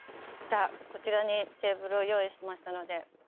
じゃあこちらにテーブルを用意しましたので。